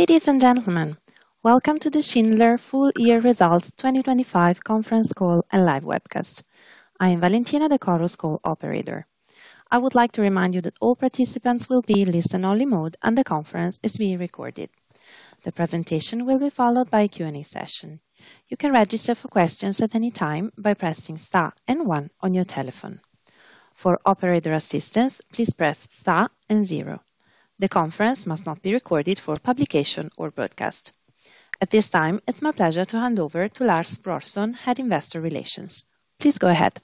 Ladies and gentlemen, welcome to the Schindler Full Year Results 2025 conference call and live webcast. I am Valentina De Corros, call operator. I would like to remind you that all participants will be in listen-only mode and the conference is being recorded. The presentation will be followed by a Q&A session. You can register for questions at any time by pressing star and one on your telephone. For operator assistance, please press star and zero. The conference must not be recorded for publication or broadcast. At this time, it's my pleasure to hand over to Lars Brorson, Head Investor Relations. Please go ahead.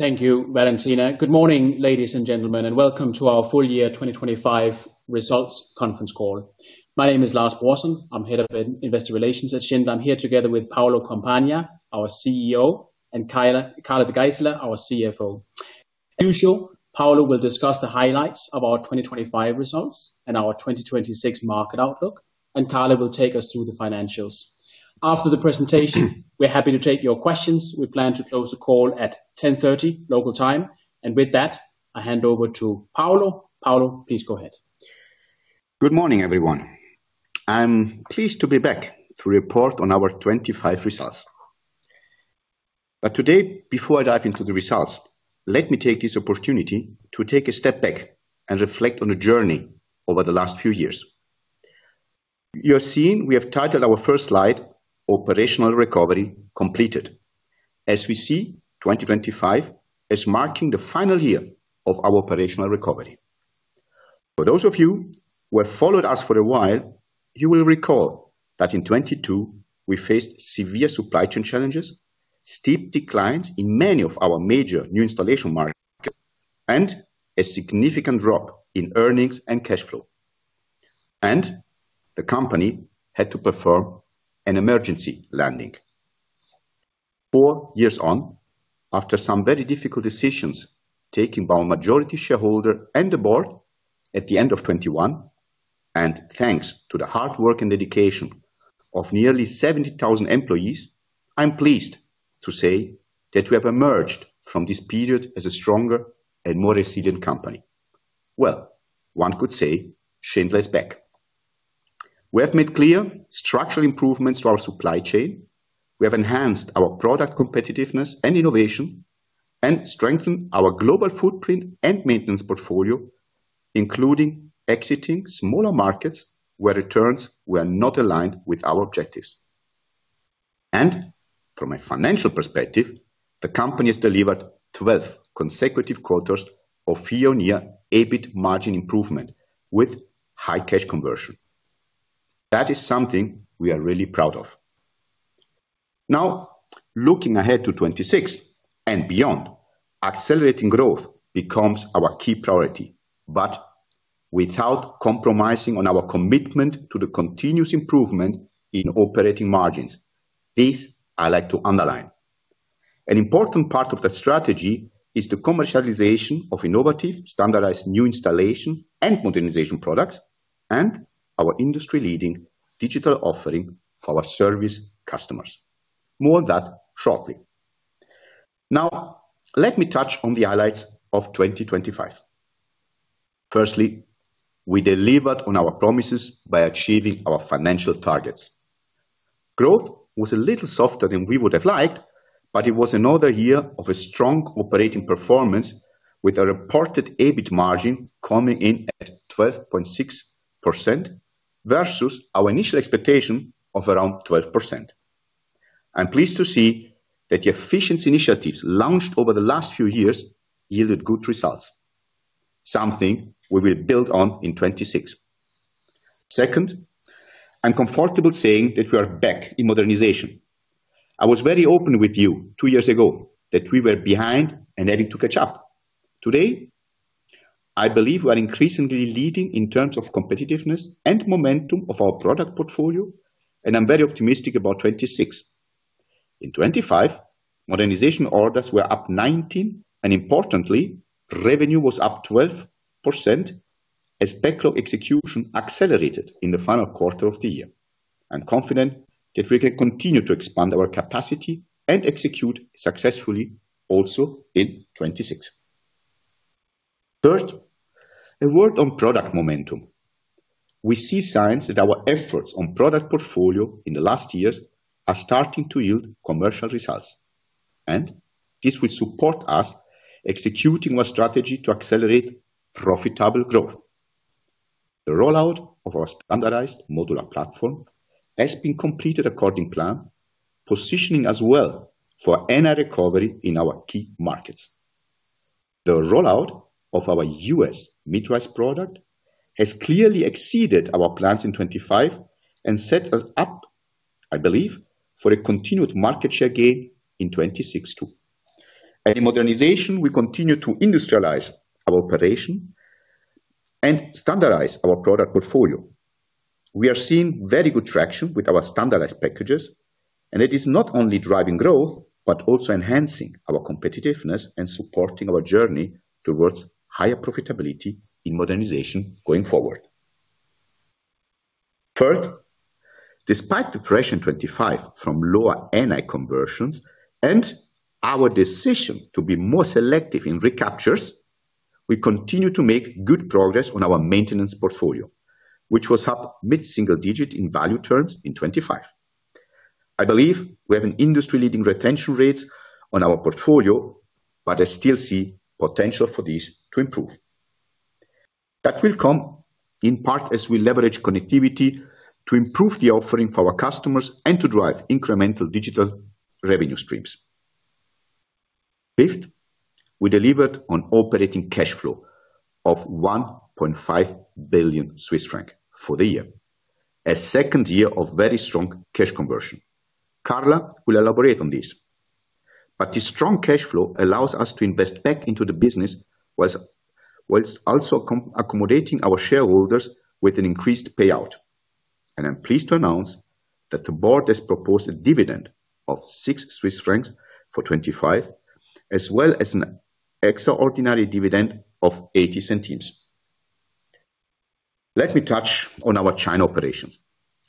Thank you, Valentina. Good morning, ladies and gentlemen, and welcome to our Full Year 2025 Results conference call. My name is Lars Brorson. I'm Head of Investor Relations at Schindler. I'm here together with Paolo Compagna, our CEO, and Carla De Geyseleer, our CFO. As usual, Paolo will discuss the highlights of our 2025 results and our 2026 market outlook, and Carla will take us through the financials. After the presentation, we're happy to take your questions. We plan to close the call at 10:30 A.M. local time. With that, I hand over to Paolo. Paolo, please go ahead. Good morning, everyone. I'm pleased to be back to report on our 2025 results. But today, before I dive into the results, let me take this opportunity to take a step back and reflect on the journey over the last few years. You're seeing we have titled our first slide, "Operational Recovery Completed," as we see 2025 as marking the final year of our operational recovery. For those of you who have followed us for a while, you will recall that in 2022 we faced severe supply chain challenges, steep declines in many of our major new installation markets, and a significant drop in earnings and cash flow. The company had to perform an emergency landing. Four years on, after some very difficult decisions taken by our majority shareholder and the board at the end of 2021, and thanks to the hard work and dedication of nearly 70,000 employees, I'm pleased to say that we have emerged from this period as a stronger and more resilient company. Well, one could say, Schindler is back. We have made clear structural improvements to our supply chain. We have enhanced our product competitiveness and innovation, and strengthened our global footprint and maintenance portfolio, including exiting smaller markets where returns were not aligned with our objectives. And from a financial perspective, the company has delivered 12 consecutive quarters of year-on-year EBIT margin improvement with high cash conversion. That is something we are really proud of. Now, looking ahead to 2026 and beyond, accelerating growth becomes our key priority, but without compromising on our commitment to the continuous improvement in operating margins. This I like to underline. An important part of the strategy is the commercialization of innovative, standardized new installation and modernization products, and our industry-leading digital offering for our service customers. More on that shortly. Now, let me touch on the highlights of 2025. Firstly, we delivered on our promises by achieving our financial targets. Growth was a little softer than we would have liked, but it was another year of strong operating performance, with a reported EBIT margin coming in at 12.6% versus our initial expectation of around 12%. I'm pleased to see that the efficiency initiatives launched over the last few years yielded good results, something we will build on in 2026. Second, I'm comfortable saying that we are back in modernization. I was very open with you two years ago that we were behind and needing to catch up. Today, I believe we are increasingly leading in terms of competitiveness and momentum of our product portfolio, and I'm very optimistic about 2026. In 2025, modernization orders were up 19%, and importantly, revenue was up 12% as backlog execution accelerated in the final quarter of the year. I'm confident that we can continue to expand our capacity and execute successfully also in 2026. Third, a word on product momentum. We see signs that our efforts on product portfolio in the last years are starting to yield commercial results, and this will support us executing our strategy to accelerate profitable growth. The rollout of our standardized modular platform has been completed according to plan, positioning as well for NI recovery in our key markets. The rollout of our U.S. mid-rise product has clearly exceeded our plans in 2025 and sets us up, I believe, for a continued market share gain in 2026 too. In modernization, we continue to industrialize our operation and standardize our product portfolio. We are seeing very good traction with our standardized packages, and it is not only driving growth but also enhancing our competitiveness and supporting our journey towards higher profitability in modernization going forward. Third, despite the pressure in 2025 from lower NI conversions and our decision to be more selective in recaptures, we continue to make good progress on our maintenance portfolio, which was up mid-single digit in value terms in 2025. I believe we have industry-leading retention rates on our portfolio, but I still see potential for this to improve. That will come in part as we leverage connectivity to improve the offering for our customers and to drive incremental digital revenue streams. Fifth, we delivered on operating cash flow of 1.5 billion Swiss franc for the year, a second year of very strong cash conversion. Carla will elaborate on this. This strong cash flow allows us to invest back into the business while also accommodating our shareholders with an increased payout. I'm pleased to announce that the board has proposed a dividend of 6 Swiss francs for 2025, as well as an extraordinary dividend of 0.80. Let me touch on our China operations.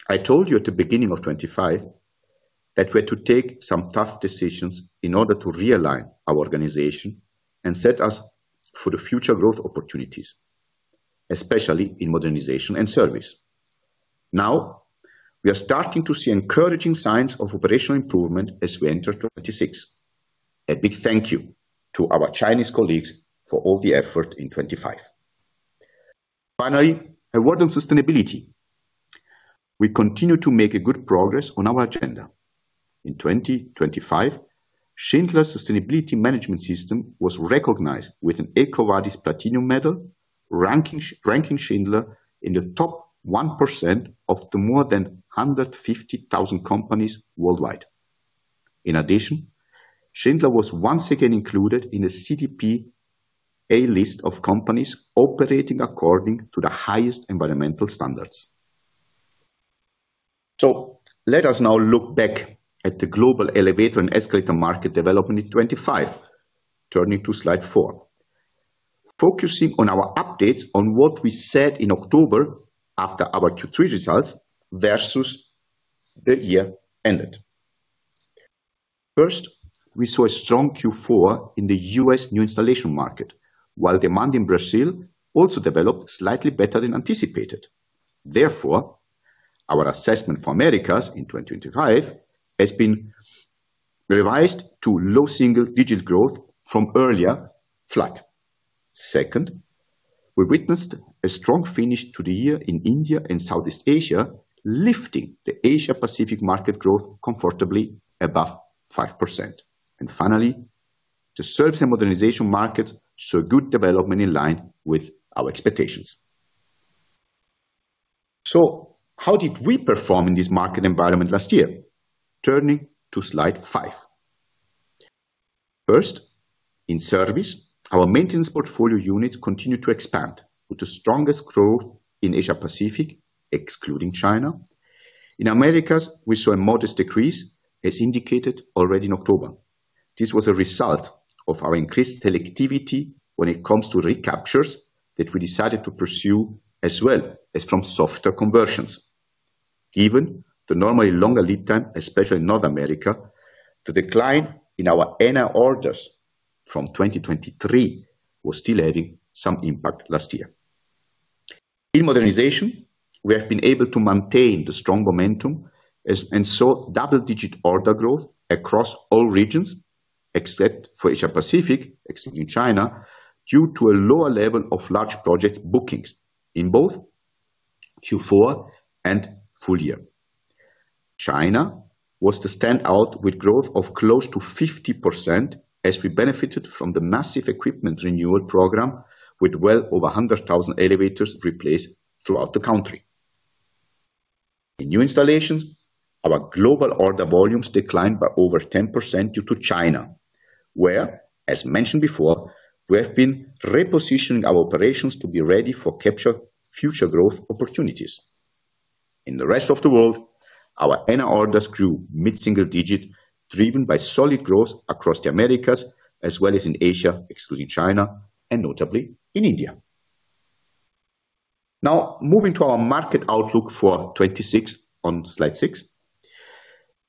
I told you at the beginning of 2025 that we had to take some tough decisions in order to realign our organization and set us for the future growth opportunities, especially in modernization and service. Now, we are starting to see encouraging signs of operational improvement as we enter 2026. A big thank you to our Chinese colleagues for all the effort in 2025. Finally, a word on sustainability. We continue to make good progress on our agenda. In 2025, Schindler's Sustainability Management System was recognized with an EcoVadis Platinum Medal, ranking Schindler in the top 1% of the more than 150,000 companies worldwide. In addition, Schindler was once again included in the CDP A List of companies operating according to the highest environmental standards. So let us now look back at the global elevator and escalator market development in 2025, turning to slide four, focusing on our updates on what we said in October after our Q3 results versus the year ended. First, we saw a strong Q4 in the U.S. new installation market, while demand in Brazil also developed slightly better than anticipated. Therefore, our assessment for Americas in 2025 has been revised to low single-digit growth from earlier flat. Second, we witnessed a strong finish to the year in India and Southeast Asia, lifting the Asia-Pacific market growth comfortably above 5%. Finally, the service and modernization markets saw good development in line with our expectations. So how did we perform in this market environment last year? Turning to slide five. First, in service, our maintenance portfolio units continued to expand with the strongest growth in Asia-Pacific, excluding China. In Americas, we saw a modest decrease, as indicated already in October. This was a result of our increased selectivity when it comes to recaptures that we decided to pursue as well as from softer conversions. Given the normally longer lead time, especially in North America, the decline in our NI orders from 2023 was still having some impact last year. In modernization, we have been able to maintain the strong momentum and saw double-digit order growth across all regions except for Asia-Pacific, excluding China, due to a lower level of large project bookings in both Q4 and full year. China was to stand out with growth of close to 50% as we benefited from the massive equipment renewal program with well over 100,000 elevators replaced throughout the country. In new installations, our global order volumes declined by over 10% due to China, where, as mentioned before, we have been repositioning our operations to be ready for capture future growth opportunities. In the rest of the world, our NI orders grew mid-single digit, driven by solid growth across the Americas as well as in Asia, excluding China, and notably in India. Now, moving to our market outlook for 2026 on slide six,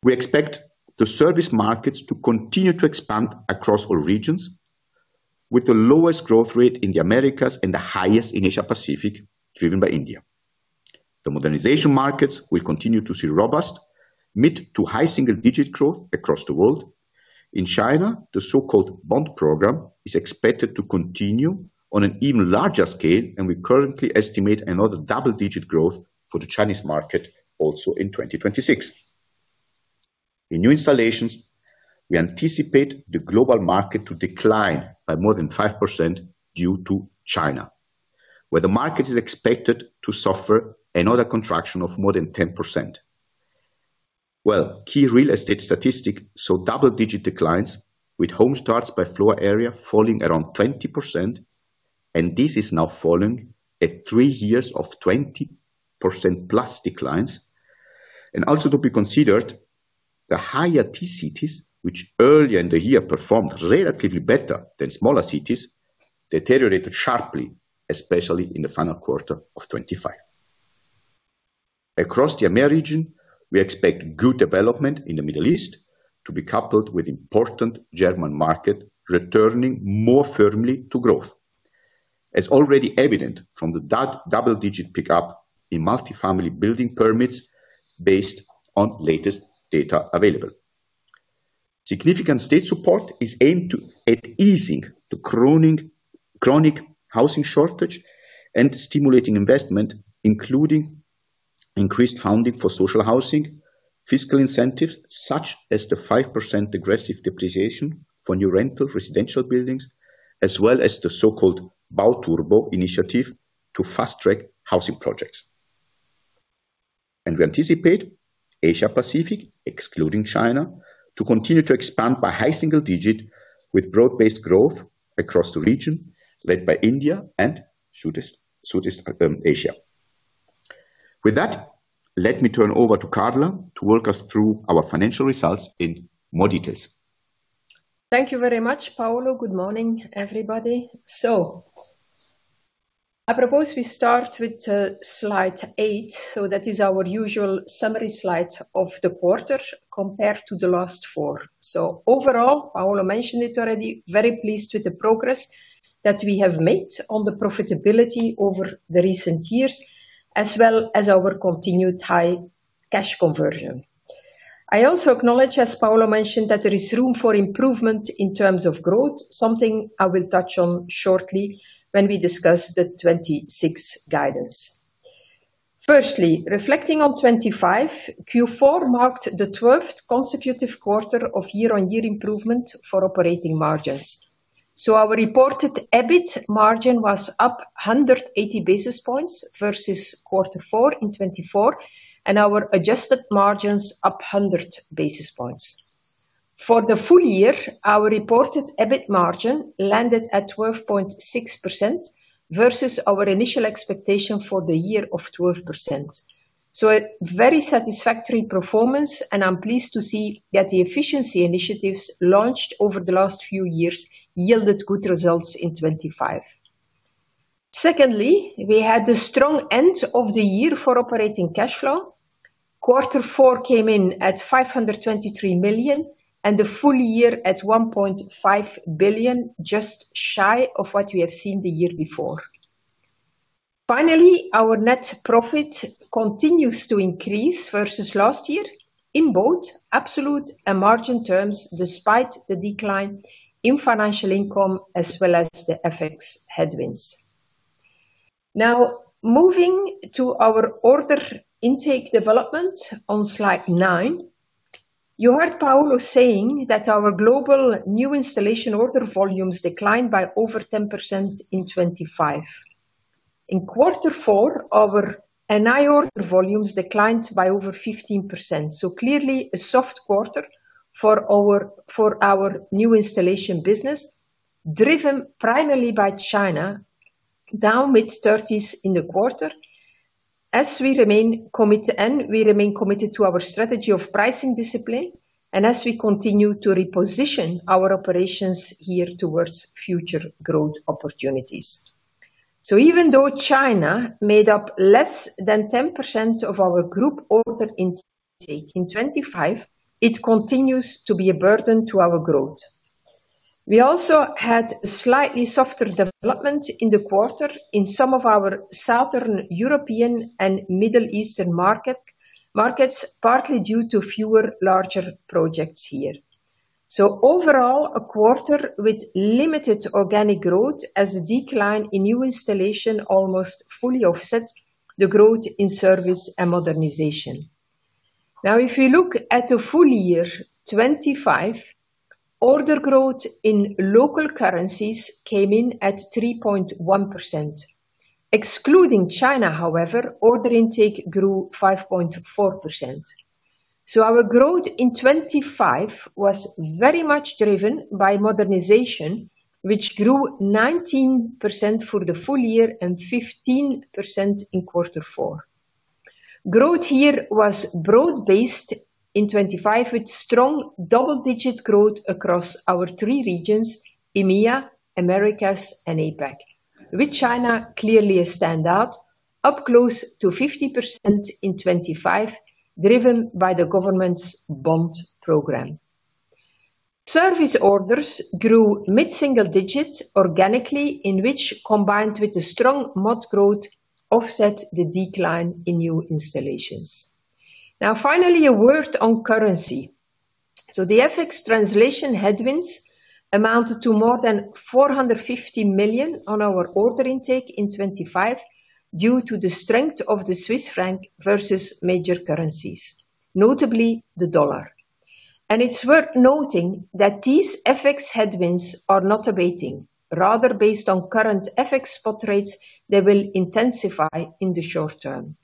we expect the service markets to continue to expand across all regions, with the lowest growth rate in the Americas and the highest in Asia-Pacific, driven by India. The modernization markets will continue to see robust mid- to high single-digit growth across the world. In China, the so-called bond program is expected to continue on an even larger scale, and we currently estimate another double-digit growth for the Chinese market also in 2026. In new installations, we anticipate the global market to decline by more than 5% due to China, where the market is expected to suffer another contraction of more than 10%. Well, key real estate statistics saw double-digit declines, with home starts by floor area falling around 20%, and this is now falling at three years of 20%+ declines. Also to be considered, the higher-tier cities, which earlier in the year performed relatively better than smaller cities, deteriorated sharply, especially in the final quarter of 2025. Across the Americas, we expect good development in the Middle East to be coupled with important German markets returning more firmly to growth, as already evident from the double-digit pickup in multifamily building permits based on latest data available. Significant state support is aimed at easing the chronic housing shortage and stimulating investment, including increased funding for social housing, fiscal incentives such as the 5% degressive depreciation for new rental residential buildings, as well as the so-called Bau-Turbo initiative to fast-track housing projects. We anticipate Asia-Pacific, excluding China, to continue to expand by high single digit with broad-based growth across the region, led by India and Southeast Asia. With that, let me turn over to Carla to work us through our financial results in more details. Thank you very much, Paolo. Good morning, everybody. So I propose we start with slide eight. So that is our usual summary slide of the quarter compared to the last four. So overall, Paolo mentioned it already, very pleased with the progress that we have made on the profitability over the recent years, as well as our continued high cash conversion. I also acknowledge, as Paolo mentioned, that there is room for improvement in terms of growth, something I will touch on shortly when we discuss the 2026 guidance. Firstly, reflecting on 2025, Q4 marked the 12th consecutive quarter of year-on-year improvement for operating margins. So our reported EBIT margin was up 180 basis points versus quarter four in 2024, and our adjusted margins up 100 basis points. For the full year, our reported EBIT margin landed at 12.6% versus our initial expectation for the year of 12%. So a very satisfactory performance, and I'm pleased to see that the efficiency initiatives launched over the last few years yielded good results in 2025. Secondly, we had a strong end of the year for operating cash flow. Quarter four came in at 523 million and the full year at 1.5 billion, just shy of what we have seen the year before. Finally, our net profit continues to increase versus last year in both absolute and margin terms despite the decline in financial income as well as the FX headwinds. Now, moving to our order intake development on slide nine, you heard Paolo saying that our global new installation order volumes declined by over 10% in 2025. In quarter four, our NI order volumes declined by over 15%. So clearly, a soft quarter for our new installation business, driven primarily by China, down mid-30s% in the quarter, as we remain committed to our strategy of pricing discipline and as we continue to reposition our operations here towards future growth opportunities. So even though China made up less than 10% of our group order intake in 2025, it continues to be a burden to our growth. We also had slightly softer development in the quarter in some of our southern European and Middle Eastern markets, partly due to fewer larger projects here. So overall, a quarter with limited organic growth as the decline in new installation almost fully offset the growth in service and modernization. Now, if we look at the full year, 2025, order growth in local currencies came in at 3.1%. Excluding China, however, order intake grew 5.4%. So our growth in 2025 was very much driven by modernization, which grew 19% for the full year and 15% in quarter four. Growth here was broad-based in 2025 with strong double-digit growth across our three regions, EMEA, Americas, and APEC, with China clearly a standout, up close to 50% in 2025 driven by the government's bond program. Service orders grew mid-single digit organically, in which, combined with the strong Mod growth, offset the decline in new installations. Now, finally, a word on currency. So the FX translation headwinds amounted to more than 450 million on our order intake in 2025 due to the strength of the Swiss franc versus major currencies, notably the dollar. And it's worth noting that these FX headwinds are not abating, rather based on current FX spot rates that will intensify in the short term.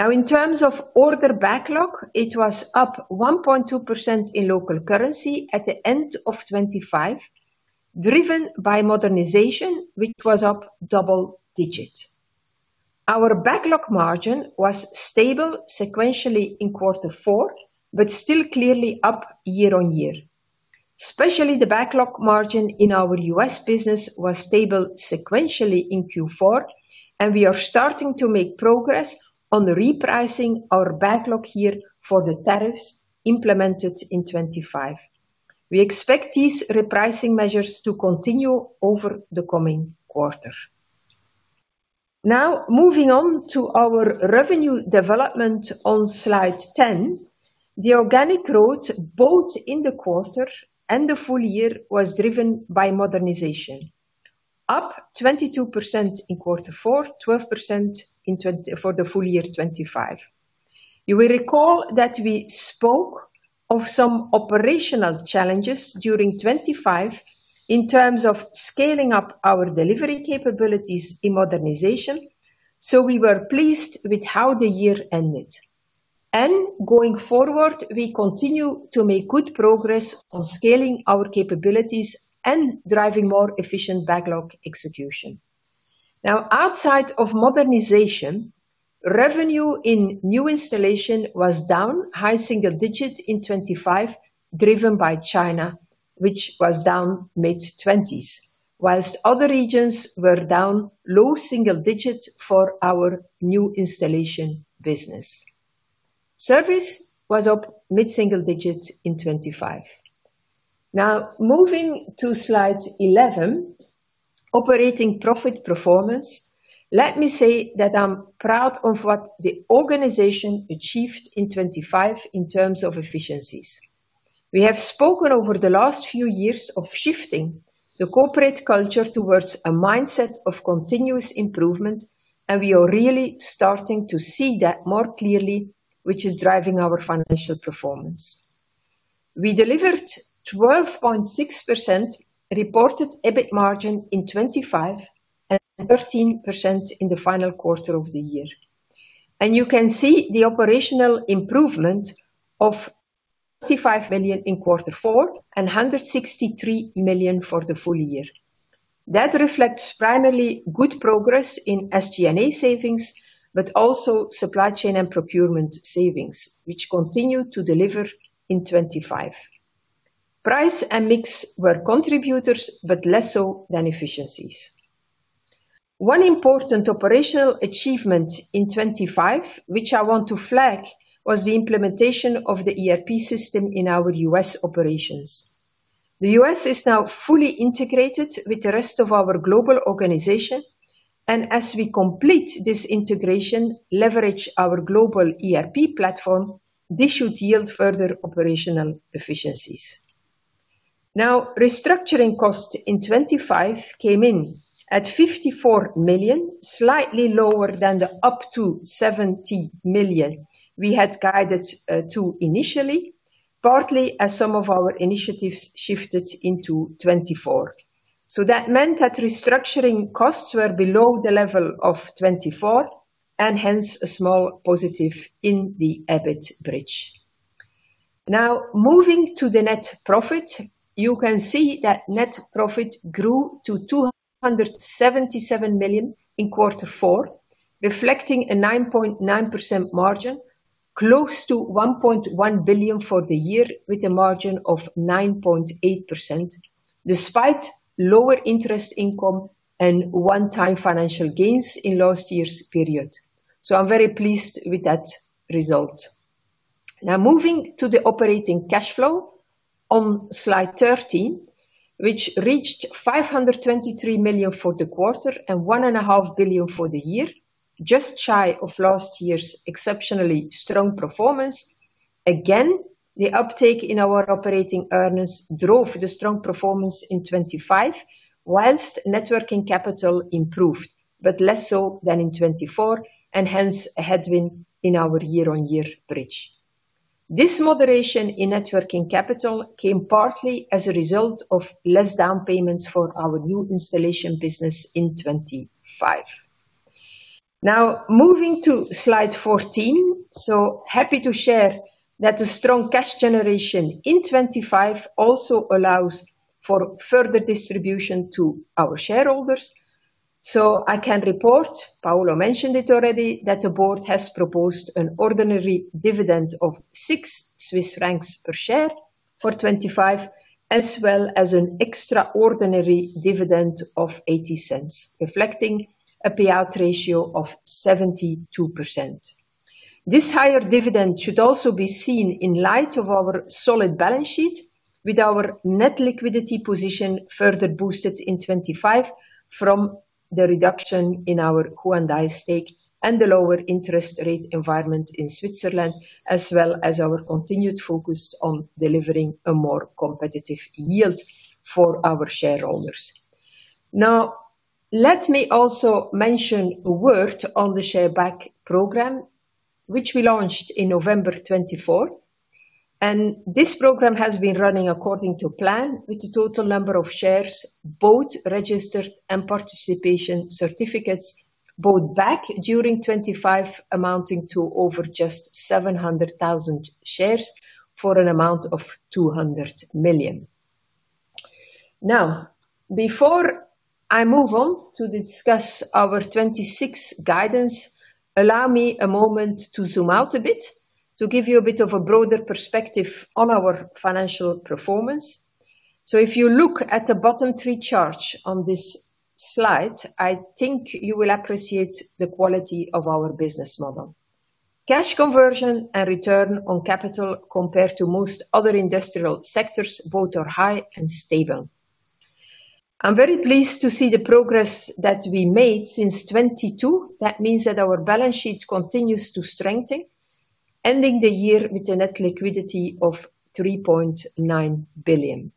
Now, in terms of order backlog, it was up 1.2% in local currency at the end of 2025, driven by modernization, which was up double-digit. Our backlog margin was stable sequentially in quarter four, but still clearly up year-on-year. Especially the backlog margin in our U.S. business was stable sequentially in Q4, and we are starting to make progress on repricing our backlog here for the tariffs implemented in 2025. We expect these repricing measures to continue over the coming quarter. Now, moving on to our revenue development on slide 10, the organic growth both in the quarter and the full year was driven by modernization, up 22% in quarter four, 12% for the full year 2025. You will recall that we spoke of some operational challenges during 2025 in terms of scaling up our delivery capabilities in modernization. So we were pleased with how the year ended. Going forward, we continue to make good progress on scaling our capabilities and driving more efficient backlog execution. Now, outside of modernization, revenue in new installation was down high single digit in 2025, driven by China, which was down mid-20s, while other regions were down low single digit for our new installation business. Service was up mid-single digit in 2025. Now, moving to slide 11, operating profit performance, let me say that I'm proud of what the organization achieved in 2025 in terms of efficiencies. We have spoken over the last few years of shifting the corporate culture towards a mindset of continuous improvement, and we are really starting to see that more clearly, which is driving our financial performance. We delivered 12.6% reported EBIT margin in 2025 and 13% in the final quarter of the year. You can see the operational improvement of 25 million in quarter four and 163 million for the full year. That reflects primarily good progress in SG&A savings, but also supply chain and procurement savings, which continue to deliver in 2025. Price and mix were contributors, but less so than efficiencies. One important operational achievement in 2025, which I want to flag, was the implementation of the ERP system in our U.S. operations. The U.S. is now fully integrated with the rest of our global organization. And as we complete this integration, leverage our global ERP platform, this should yield further operational efficiencies. Now, restructuring costs in 2025 came in at 54 million, slightly lower than the up to 70 million we had guided to initially, partly as some of our initiatives shifted into 2024. So that meant that restructuring costs were below the level of 2024 and hence a small positive in the EBIT bridge. Now, moving to the net profit, you can see that net profit grew to 277 million in quarter four, reflecting a 9.9% margin, close to 1.1 billion for the year with a margin of 9.8% despite lower interest income and one-time financial gains in last year's period. So I'm very pleased with that result. Now, moving to the operating cash flow on slide 13, which reached 523 million for the quarter and 1.5 billion for the year, just shy of last year's exceptionally strong performance. Again, the uptake in our operating earnings drove the strong performance in 2025 whilst net working capital improved, but less so than in 2024 and hence a headwind in our year-on-year bridge. This moderation in net working capital came partly as a result of less down payments for our new installation business in 2025. Now, moving to slide 14, so happy to share that the strong cash generation in 2025 also allows for further distribution to our shareholders. So I can report, Paolo mentioned it already, that the board has proposed an ordinary dividend of 6 Swiss francs per share for 2025, as well as an extraordinary dividend of 0.80, reflecting a payout ratio of 72%. This higher dividend should also be seen in light of our solid balance sheet, with our net liquidity position further boosted in 2025 from the reduction in our Hyundai stake and the lower interest rate environment in Switzerland, as well as our continued focus on delivering a more competitive yield for our shareholders. Now, let me also mention a word on the share back program, which we launched in November 2024. This program has been running according to plan, with the total number of shares both registered and participation certificates bought back during 2025 amounting to over just 700,000 shares for an amount of 200 million. Now, before I move on to discuss our 2026 guidance, allow me a moment to zoom out a bit to give you a bit of a broader perspective on our financial performance. If you look at the bottom three charts on this slide, I think you will appreciate the quality of our business model. Cash conversion and return on capital compared to most other industrial sectors both are high and stable. I'm very pleased to see the progress that we made since 2022. That means that our balance sheet continues to strengthen, ending the year with a net liquidity of 3.9 billion.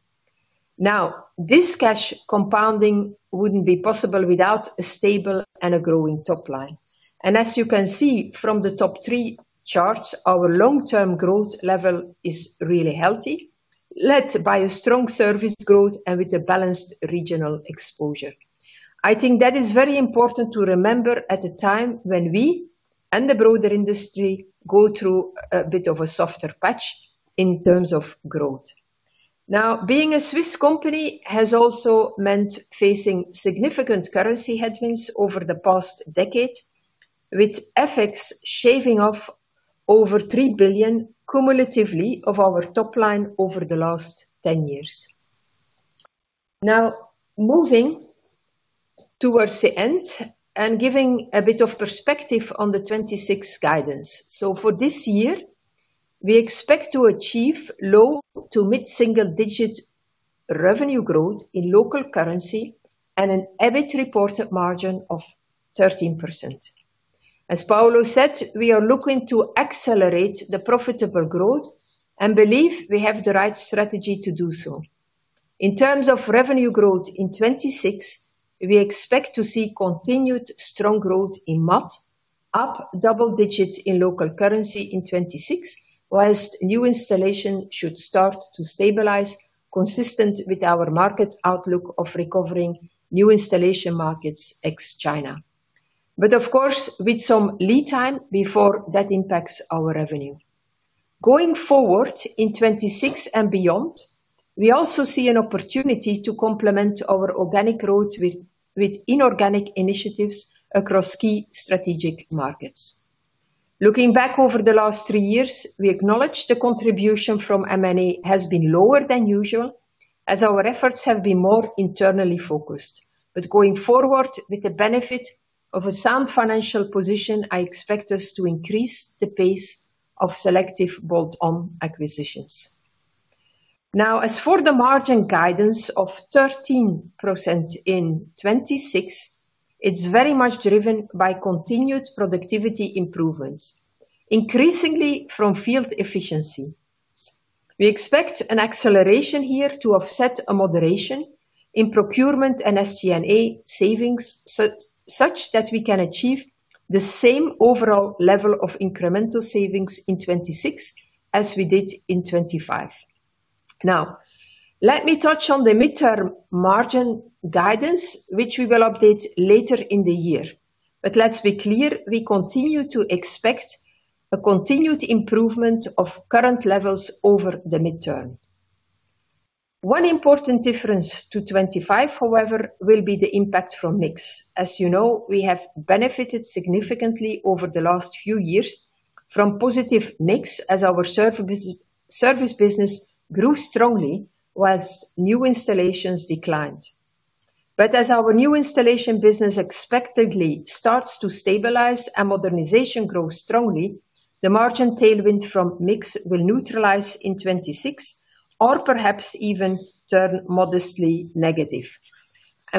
Now, this cash compounding wouldn't be possible without a stable and a growing topline. And as you can see from the top three charts, our long-term growth level is really healthy, led by a strong service growth and with a balanced regional exposure. I think that is very important to remember at a time when we and the broader industry go through a bit of a softer patch in terms of growth. Now, being a Swiss company has also meant facing significant currency headwinds over the past decade, with FX shaving off over 3 billion cumulatively of our topline over the last 10 years. Now, moving towards the end and giving a bit of perspective on the 2026 guidance. So for this year, we expect to achieve low- to mid-single-digit revenue growth in local currency and an EBIT reported margin of 13%. As Paolo said, we are looking to accelerate the profitable growth and believe we have the right strategy to do so. In terms of revenue growth in 2026, we expect to see continued strong growth in mod, up double-digit in local currency in 2026, whilst new installation should start to stabilize consistent with our market outlook of recovering new installation markets ex-China, but of course, with some lead time before that impacts our revenue. Going forward in 2026 and beyond, we also see an opportunity to complement our organic growth with inorganic initiatives across key strategic markets. Looking back over the last three years, we acknowledge the contribution from M&A has been lower than usual as our efforts have been more internally focused, but going forward with the benefit of a sound financial position, I expect us to increase the pace of selective bolt-on acquisitions. Now, as for the margin guidance of 13% in 2026, it's very much driven by continued productivity improvements, increasingly from field efficiencies. We expect an acceleration here to offset a moderation in procurement and SG&A savings such that we can achieve the same overall level of incremental savings in 2026 as we did in 2025. Now, let me touch on the mid-term margin guidance, which we will update later in the year. But let's be clear, we continue to expect a continued improvement of current levels over the mid-term. One important difference to 2025, however, will be the impact from mix. As you know, we have benefited significantly over the last few years from positive mix as our service business grew strongly while new installations declined. But as our new installation business expectedly starts to stabilize and modernization grows strongly, the margin tailwind from mix will neutralize in 2026 or perhaps even turn modestly negative.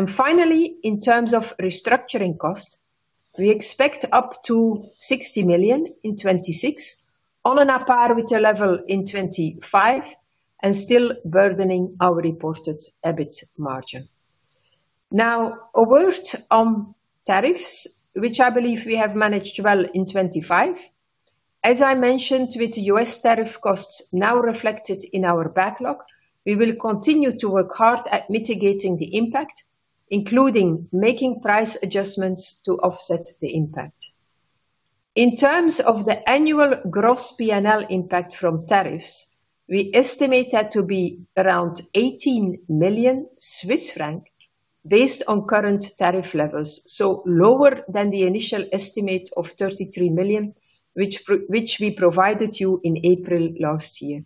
Finally, in terms of restructuring costs, we expect up to 60 million in 2026 on an absolute level in 2025 and still burdening our reported EBIT margin. Now, a word on tariffs, which I believe we have managed well in 2025. As I mentioned, with the U.S. tariff costs now reflected in our backlog, we will continue to work hard at mitigating the impact, including making price adjustments to offset the impact. In terms of the annual gross P&L impact from tariffs, we estimate that to be around 18 million Swiss francs based on current tariff levels, so lower than the initial estimate of 33 million, which we provided you in April last year.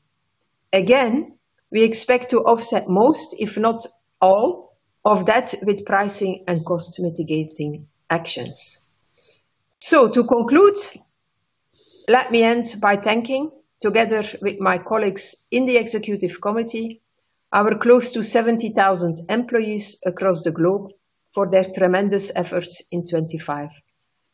Again, we expect to offset most, if not all, of that with pricing and cost mitigating actions. So to conclude, let me end by thanking together with my colleagues in the executive committee, our close to 70,000 employees across the globe for their tremendous efforts in 2025.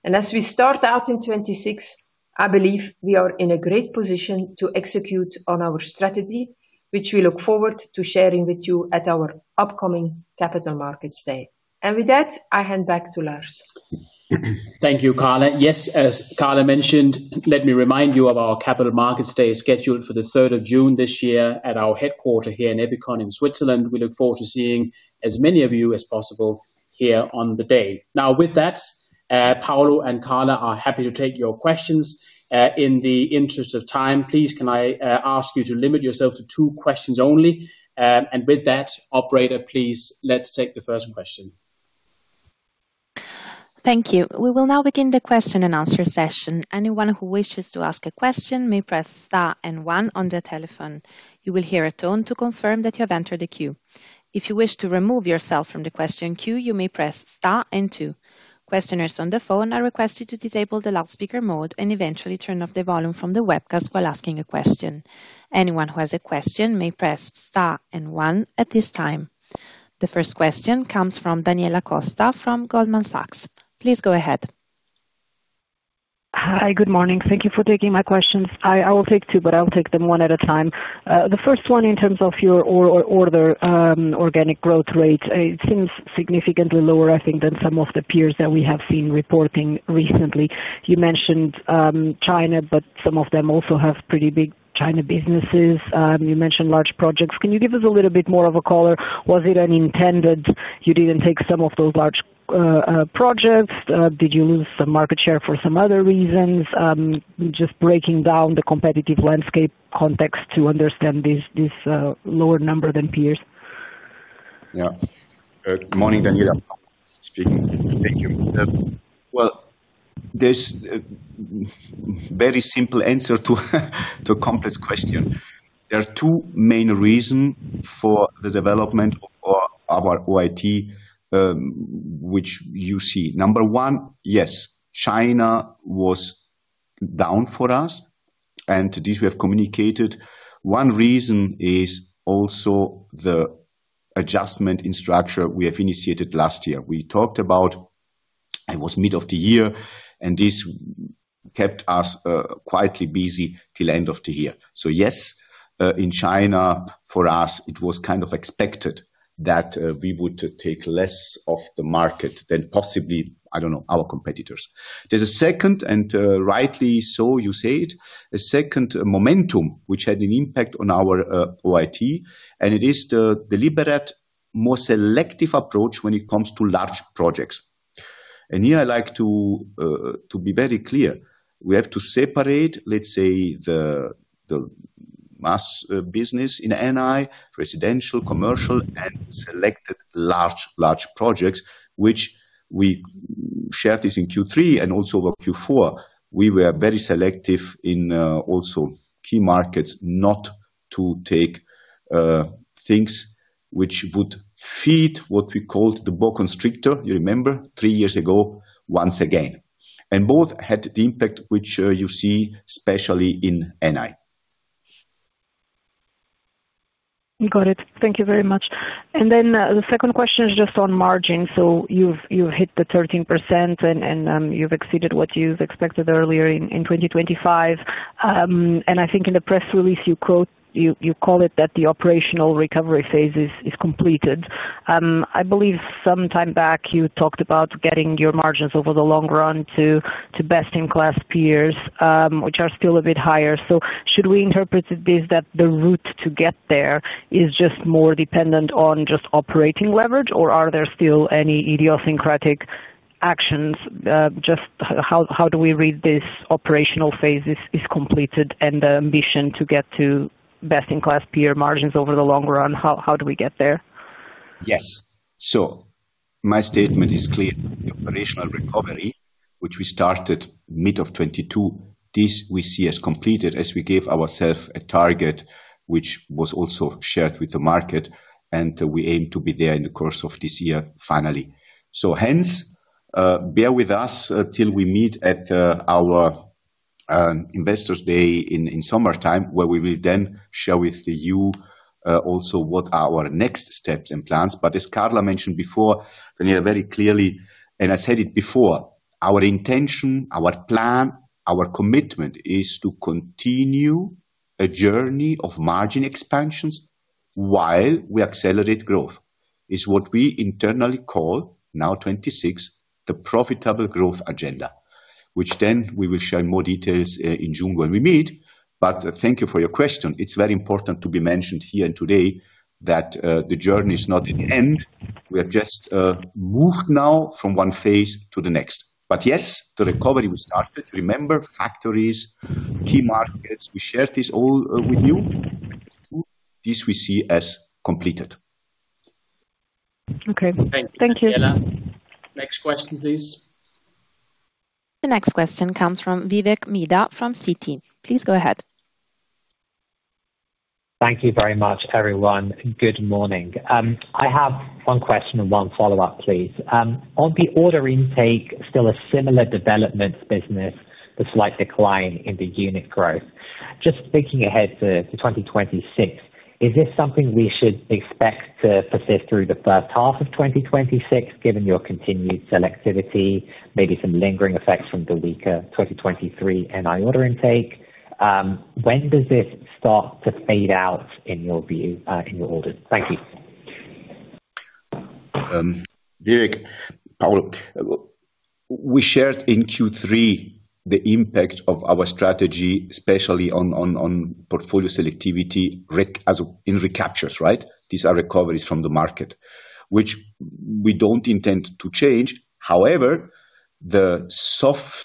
And as we start out in 2026, I believe we are in a great position to execute on our strategy, which we look forward to sharing with you at our upcoming Capital Markets Day. And with that, I hand back to Lars. Thank you, Carla. Yes, as Carla mentioned, let me remind you of our Capital Markets Day scheduled for the 3rd of June this year at our headquarters here in Ebikon in Switzerland. We look forward to seeing as many of you as possible here on the day. Now, with that, Paolo and Carla are happy to take your questions. In the interest of time, please, can I ask you to limit yourself to two questions only? And with that, operator, please, let's take the first question. Thank you. We will now begin the question and answer session. Anyone who wishes to ask a question may press star and one on their telephone. You will hear a tone to confirm that you have entered the queue. If you wish to remove yourself from the question queue, you may press star and two. Questioners on the phone are requested to disable the loudspeaker mode and eventually turn off the volume from the webcast while asking a question. Anyone who has a question may press star and one at this time. The first question comes from Daniela Costa from Goldman Sachs. Please go ahead. Hi, good morning. Thank you for taking my questions. I will take two, but I will take them one at a time. The first one, in terms of your order organic growth rate, it seems significantly lower, I think, than some of the peers that we have seen reporting recently. You mentioned China, but some of them also have pretty big China businesses. You mentioned large projects. Can you give us a little bit more color? Was it unintended you didn't take some of those large projects? Did you lose some market share for some other reasons? Just breaking down the competitive landscape context to understand this lower number than peers. Yeah. Good morning, Daniela. Thank you. Well, there's a very simple answer to a complex question. There are two main reasons for the development of our OIT, which you see. Number one, yes, China was down for us, and this we have communicated. One reason is also the adjustment in structure we have initiated last year. We talked about it was mid of the year, and this kept us quietly busy till the end of the year. So yes, in China, for us, it was kind of expected that we would take less of the market than possibly, I don't know, our competitors. There's a second, and rightly so you say it, a second momentum, which had an impact on our OIT, and it is the deliberate, more selective approach when it comes to large projects. And here I like to be very clear. We have to separate, let's say, the mass business in NI, residential, commercial, and selected large, large projects, which we shared this in Q3 and also over Q4. We were very selective in also key markets not to take things which would feed what we called the boa constrictor, you remember, three years ago, once again. Both had the impact which you see especially in NI. Got it. Thank you very much. And then the second question is just on margins. So you've hit the 13%, and you've exceeded what you expected earlier in 2025. And I think in the press release, you call it that the operational recovery phase is completed. I believe sometime back you talked about getting your margins over the long run to best-in-class peers, which are still a bit higher. So should we interpret this that the route to get there is just more dependent on just operating leverage, or are there still any idiosyncratic actions? Just how do we read this operational phase is completed and the ambition to get to best-in-class peer margins over the long run? How do we get there? Yes. So my statement is clear. The operational recovery, which we started mid-2022, this we see as completed as we gave ourselves a target, which was also shared with the market, and we aim to be there in the course of this year, finally. So hence, bear with us till we meet at our Investors' Day in summertime, where we will then share with you also what our next steps and plans are. But as Carla mentioned before, Daniela, very clearly, and I said it before, our intention, our plan, our commitment is to continue a journey of margin expansions while we accelerate growth. It's what we internally call, now 2026, the Profitable Growth Agenda, which then we will share more details in June when we meet. But thank you for your question. It's very important to be mentioned here and today that the journey is not at the end. We have just moved now from one phase to the next. But yes, the recovery we started, remember, factories, key markets, we shared this all with you. This we see as completed. Okay. Thank you. Thank you, Daniela. Next question, please. The next question comes from Vivek Midha from Citi. Please go ahead. Thank you very much, everyone. Good morning. I have one question and one follow-up, please. On the order intake, still a similar developments business, but slight decline in the unit growth. Just thinking ahead to 2026, is this something we should expect to persist through the first half of 2026 given your continued selectivity, maybe some lingering effects from the weaker 2023 NI order intake? When does this start to fade out in your view, in your orders? Thank you. Vivek, we shared in Q3 the impact of our strategy, especially on portfolio selectivity in recaptures, right? These are recoveries from the market, which we don't intend to change. However, the softener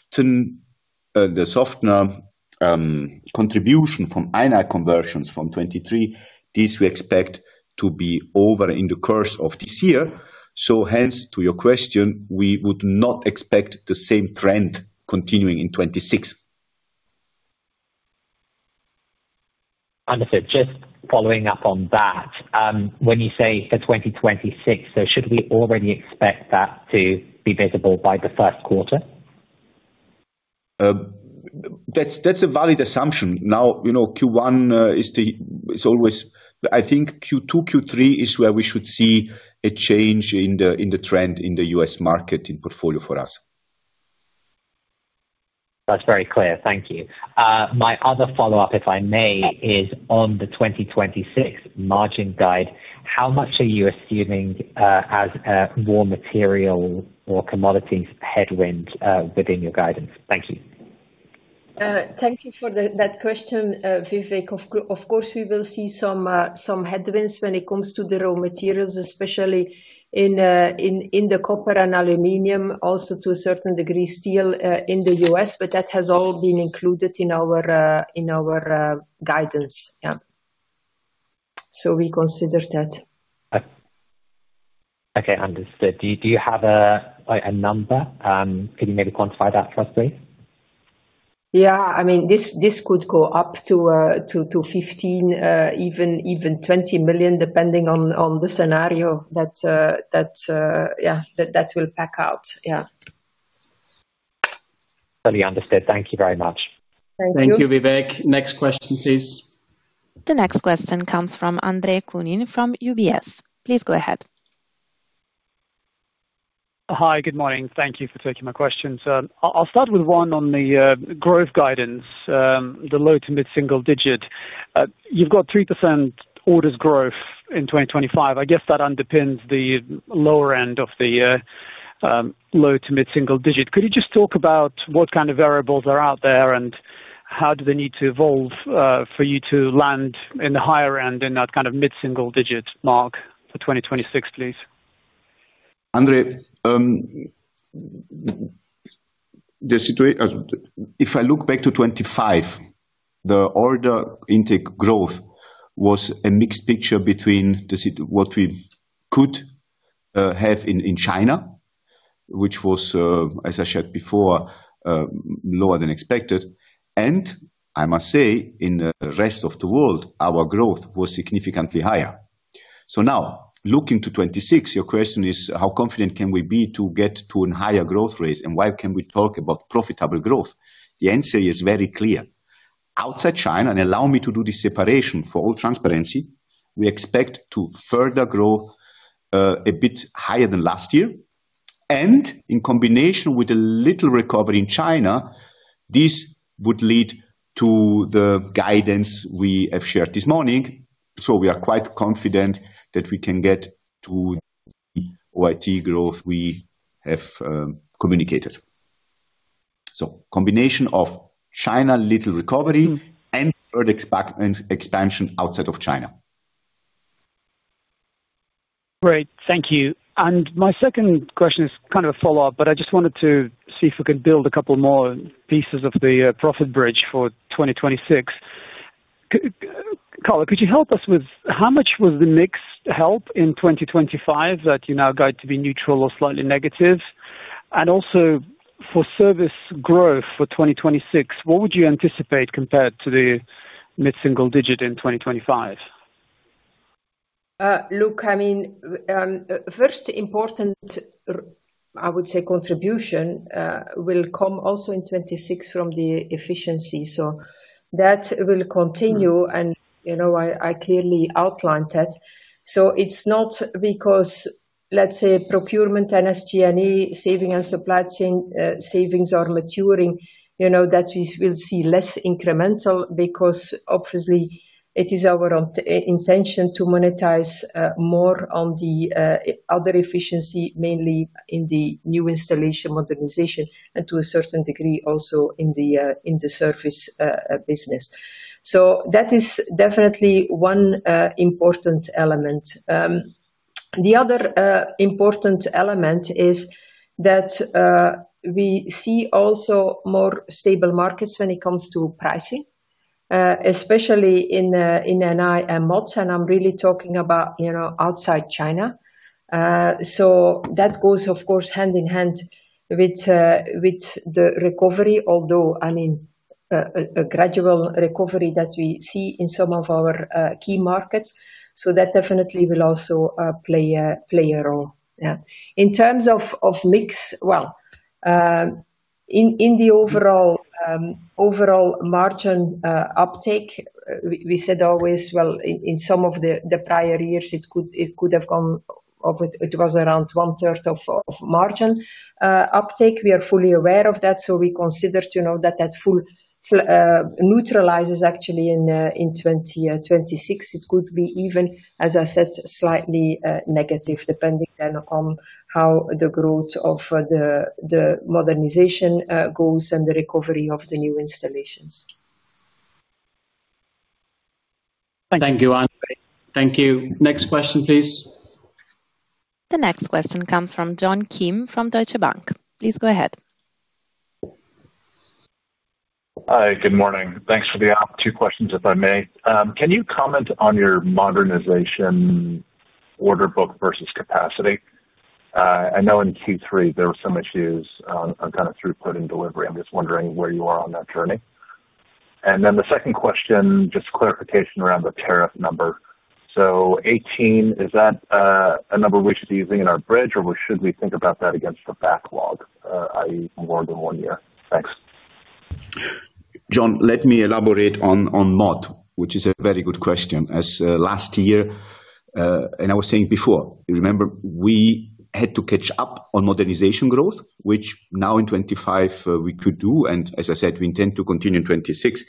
contribution from NI conversions from 2023, this we expect to be over in the course of this year. So hence, to your question, we would not expect the same trend continuing in 2026. Understood. Just following up on that, when you say for 2026, so should we already expect that to be visible by the first quarter? That's a valid assumption. Now, Q1 is always I think Q2, Q3 is where we should see a change in the trend in the U.S. market in portfolio for us. That's very clear. Thank you. My other follow-up, if I may, is on the 2026 margin guide. How much are you assuming as a raw material or commodities headwind within your guidance? Thank you. Thank you for that question, Vivek. Of course, we will see some headwinds when it comes to the raw materials, especially in the copper and aluminum, also to a certain degree steel in the U.S., but that has all been included in our guidance. Yeah. So we considered that. Okay. Understood. Do you have a number? Could you maybe quantify that for us, please? Yeah. I mean, this could go up to 15 million, even 20 million, depending on the scenario that, yeah, that will pack out. Yeah. Fully understood. Thank you very much. Thank you. Thank you, Vivek. Next question, please. The next question comes from Andre Kukhnin from UBS. Please go ahead. Hi. Good morning. Thank you for taking my questions. I'll start with one on the growth guidance, the low- to mid-single-digit. You've got 3% orders growth in 2025. I guess that underpins the lower end of the low- to mid-single-digit. Could you just talk about what kind of variables are out there and how do they need to evolve for you to land in the higher end in that kind of mid-single-digit mark for 2026, please? Andrea, if I look back to 2025, the order intake growth was a mixed picture between what we could have in China, which was, as I shared before, lower than expected. And I must say, in the rest of the world, our growth was significantly higher. So now, looking to 2026, your question is, how confident can we be to get to a higher growth rate, and why can we talk about profitable growth? The answer is very clear. Outside China, and allow me to do this separation for all transparency, we expect further growth a bit higher than last year. And in combination with a little recovery in China, this would lead to the guidance we have shared this morning. So we are quite confident that we can get to the OIT growth we have communicated. So combination of China little recovery and further expansion outside of China. Great. Thank you. My second question is kind of a follow-up, but I just wanted to see if we can build a couple more pieces of the profit bridge for 2026. Carla, could you help us with how much was the mix effect in 2025 that you now guide to be neutral or slightly negative? And also, for service growth for 2026, what would you anticipate compared to the mid-single-digit in 2025? Look, I mean, first important, I would say, contribution will come also in 2026 from the efficiency. So that will continue, and I clearly outlined that. So it's not because, let's say, procurement and SG&A savings and supply chain savings are maturing that we will see less incremental because, obviously, it is our intention to monetize more on the other efficiency, mainly in the new installation modernization and to a certain degree also in the service business. So that is definitely one important element. The other important element is that we see also more stable markets when it comes to pricing, especially in NI and MOTS, and I'm really talking about outside China. So that goes, of course, hand in hand with the recovery, although, I mean, a gradual recovery that we see in some of our key markets. So that definitely will also play a role. Yeah. In terms of mix, well, in the overall margin uptake, we said always, well, in some of the prior years, it could have gone over; it was around one-third of margin uptake. We are fully aware of that. So we considered that that full neutralizes, actually, in 2026. It could be even, as I said, slightly negative, depending then on how the growth of the modernization goes and the recovery of the new installations. Thank you, Andre. Thank you. Next question, please. The next question comes from John Kim from Deutsche Bank. Please go ahead. Hi. Good morning. Thanks for the opportunity for two questions, if I may. Can you comment on your modernization order book versus capacity? I know in Q3, there were some issues on kind of throughput and delivery. I'm just wondering where you are on that journey. And then the second question, just clarification around the tariff number. So 18, is that a number we should be using in our bridge, or should we think about that against the backlog, i.e., more than one year? Thanks. John, let me elaborate on MOT, which is a very good question. As last year and I was saying before, remember, we had to catch up on modernization growth, which now in 2025, we could do, and as I said, we intend to continue in 2026.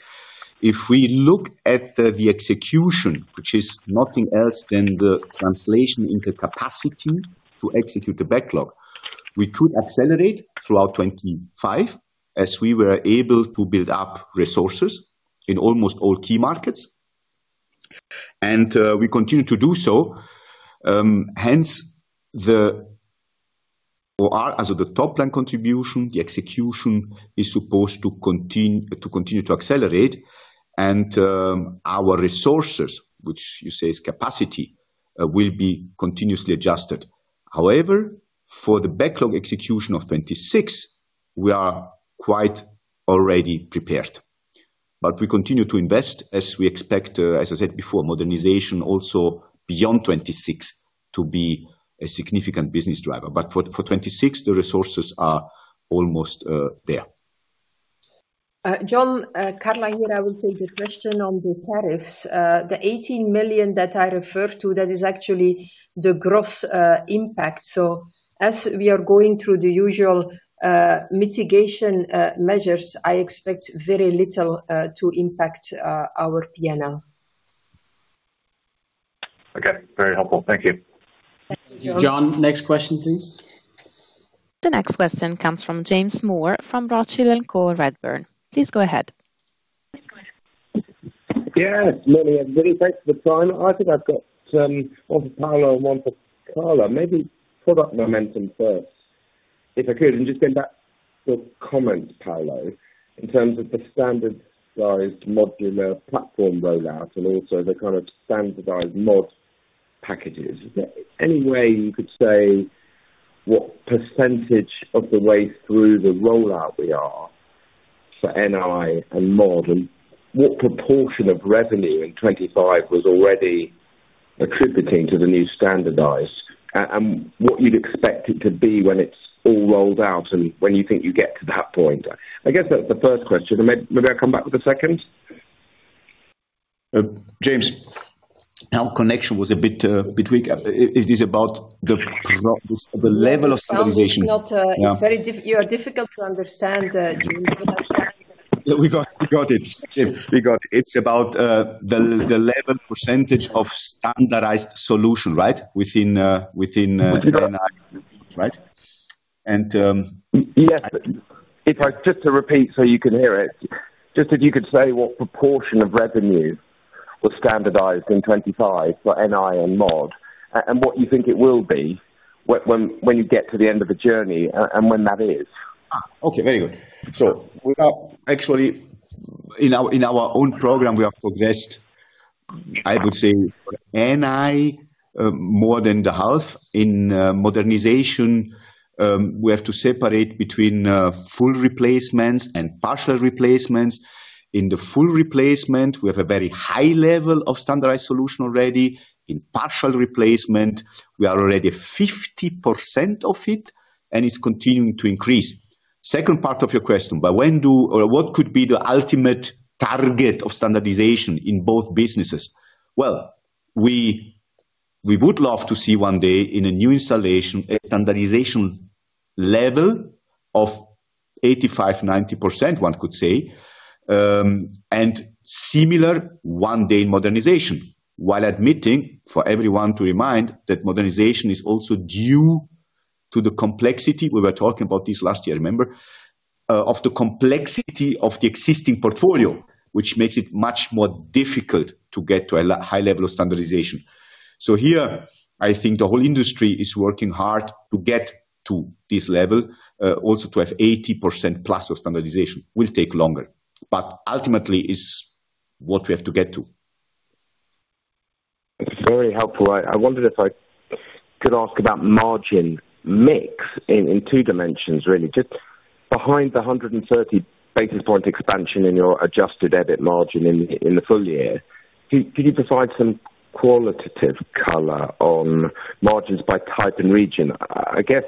If we look at the execution, which is nothing else than the translation into capacity to execute the backlog, we could accelerate throughout 2025 as we were able to build up resources in almost all key markets. And we continue to do so. Hence, the top-line contribution, the execution is supposed to continue to accelerate. And our resources, which you say is capacity, will be continuously adjusted. However, for the backlog execution of 2026, we are quite already prepared. But we continue to invest as we expect, as I said before, modernization also beyond 2026 to be a significant business driver. But for 2026, the resources are almost there. John, Carla here, I will take the question on the tariffs. The 18 million that I referred to, that is actually the gross impact. So as we are going through the usual mitigation measures, I expect very little to impact our P&L. Okay. Very helpful. Thank you. Thank you, John. Next question, please. The next question comes from James Moore from Redburn. Please go ahead. Yeah. I really thank you for the time. I think I've got one for Paolo and one for Carla. Maybe product momentum first, if I could, and just going back to your comments, Paolo, in terms of the standardized modular platform rollout and also the kind of standardized Mod packages. Is there any way you could say what percentage of the way through the rollout we are for NI and mod, and what proportion of revenue in 2025 was already attributing to the new standardized, and what you'd expect it to be when it's all rolled out and when you think you get to that point? I guess that's the first question. Maybe I'll come back with the second. James, our connection was a bit weak. Is this about the level of standardization? Oh, it's not. You are difficult to understand, James. We got it, James. We got it. It's about the level percentage of standardized solution, right, within NI, right? And. Yes. If I just try to repeat so you can hear it, just if you could say what proportion of revenue was standardized in 2025 for NI and Mod and what you think it will be when you get to the end of the journey and when that is? Okay. Very good. So actually, in our own program, we have progressed, I would say, for NI more than the half. In modernization, we have to separate between full replacements and partial replacements. In the full replacement, we have a very high level of standardized solution already. In partial replacement, we are already 50% of it, and it's continuing to increase. Second part of your question, by when do or what could be the ultimate target of standardization in both businesses? Well, we would love to see one day in a new installation a standardization level of 85%-90%, one could say, and similar one day in modernization, while admitting, for everyone to remind, that modernization is also due to the complexity we were talking about this last year, remember, of the complexity of the existing portfolio, which makes it much more difficult to get to a high level of standardization. So here, I think the whole industry is working hard to get to this level, also to have 80%+ of standardization. It will take longer. But ultimately, it's what we have to get to. It's very helpful. I wondered if I could ask about margin mix in two dimensions, really. Just behind the 130 basis points expansion in your adjusted EBIT margin in the full year, could you provide some qualitative color on margins by type and region? I guess,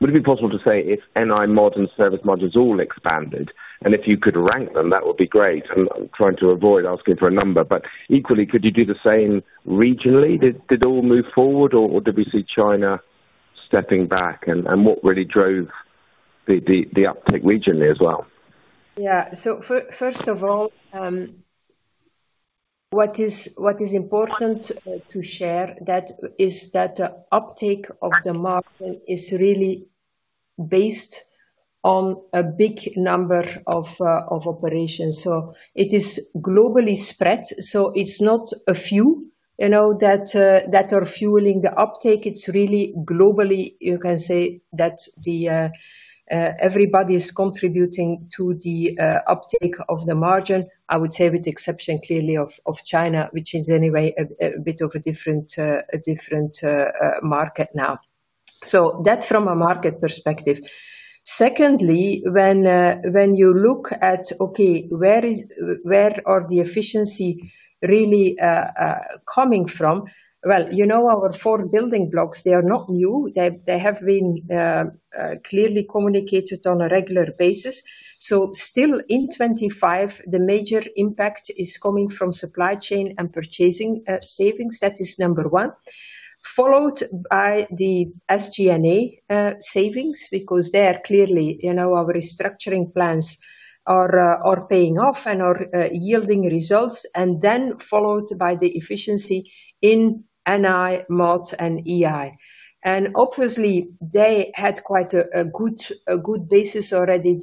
would it be possible to say if NI, MOD, and service margins all expanded and if you could rank them, that would be great? I'm trying to avoid asking for a number. But equally, could you do the same regionally? Did it all move forward, or did we see China stepping back? And what really drove the uptake regionally as well? Yeah. So first of all, what is important to share is that the uptake of the market is really based on a big number of operations. So it is globally spread. So it's not a few that are fueling the uptake. It's really globally, you can say that everybody is contributing to the uptake of the margin, I would say, with exception clearly of China, which is anyway a bit of a different market now. So that from a market perspective. Secondly, when you look at, okay, where are the efficiency really coming from? Well, our four building blocks, they are not new. They have been clearly communicated on a regular basis. So still in 2025, the major impact is coming from supply chain and purchasing savings. That is number one, followed by the SG&A savings because there, clearly, our restructuring plans are paying off and are yielding results, and then followed by the efficiency in NI, mod, and EI. And obviously, they had quite a good basis already,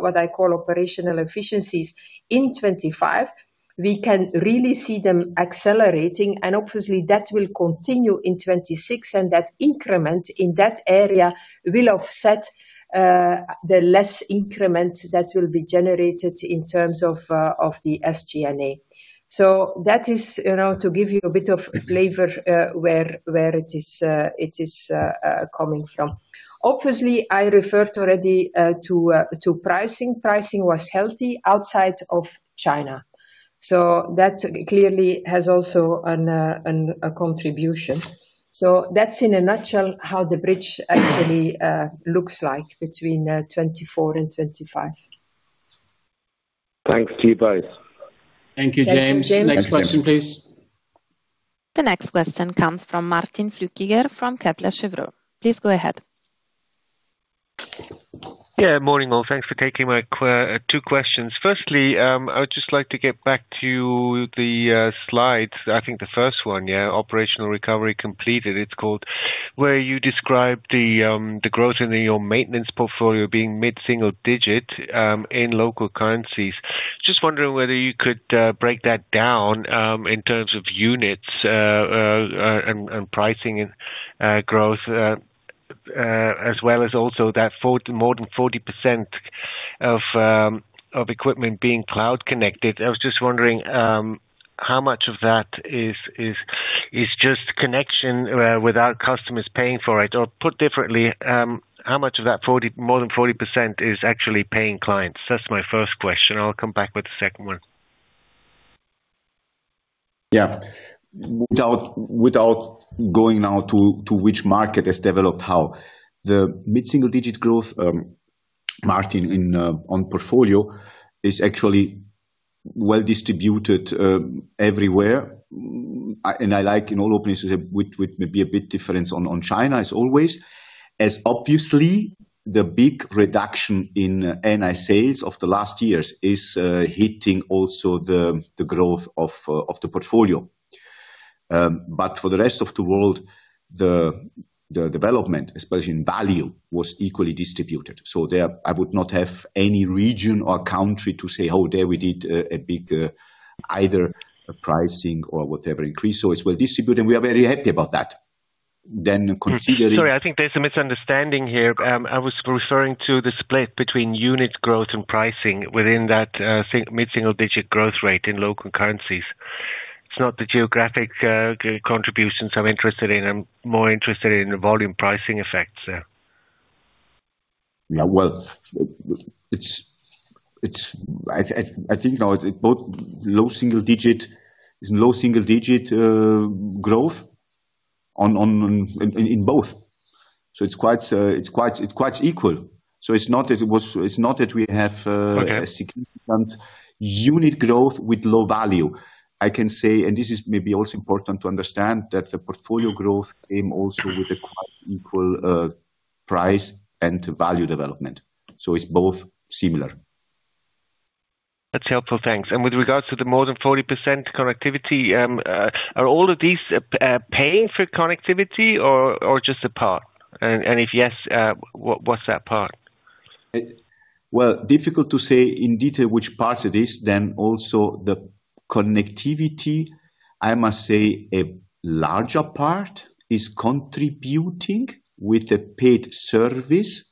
what I call operational efficiencies in 2025. We can really see them accelerating. And obviously, that will continue in 2026, and that increment in that area will offset the less increment that will be generated in terms of the SG&A. So that is to give you a bit of flavor where it is coming from. Obviously, I referred already to pricing. Pricing was healthy outside of China. So that clearly has also a contribution. So that's, in a nutshell, how the bridge actually looks like between 2024 and 2025. Thanks, you guys. Thank you, James. Next question, please. The next question comes from Martin Flueckiger from Kepler Cheuvreux. Please go ahead. Yeah. Morning, all. Thanks for taking my two questions. Firstly, I would just like to get back to the slides. I think the first one, yeah, operational recovery completed, it's called, where you describe the growth in your maintenance portfolio being mid-single digit in local currencies. Just wondering whether you could break that down in terms of units and pricing and growth, as well as also that more than 40% of equipment being cloud-connected. I was just wondering how much of that is just connection without customers paying for it? Or put differently, how much of that more than 40% is actually paying clients? That's my first question. I'll come back with the second one. Yeah. Without going now to which market has developed how, the mid-single digit growth, Martin, on portfolio is actually well distributed everywhere. And I like, in all openness, to say with maybe a bit difference on China as always, as obviously, the big reduction in NI sales of the last years is hitting also the growth of the portfolio. But for the rest of the world, the development, especially in value, was equally distributed. So there, I would not have any region or country to say, "Oh, there, we did a big either pricing or whatever increase." So it's well distributed, and we are very happy about that. Then considering. Sorry. I think there's a misunderstanding here. I was referring to the split between unit growth and pricing within that mid-single digit growth rate in local currencies. It's not the geographic contributions I'm interested in. I'm more interested in the volume pricing effects. Yeah. Well, I think now it's both low single digit is low single digit growth in both. So it's quite equal. So it's not that it was it's not that we have significant unit growth with low value. I can say, and this is maybe also important to understand, that the portfolio growth came also with a quite equal price and value development. So it's both similar. That's helpful. Thanks. And with regards to the more than 40% connectivity, are all of these paying for connectivity or just a part? And if yes, what's that part? Well, difficult to say in detail which parts it is. Then also the connectivity, I must say, a larger part is contributing with a paid service,